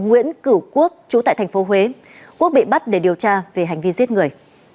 nguyễn cửu quốc chú tại tp huế quốc bị bắt để điều tra về hành vi giết người